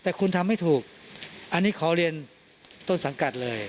แต่คุณทำไม่ถูกอันนี้ขอเรียนต้นสังกัดเลย